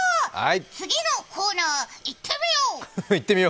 次のコーナーいってみよう！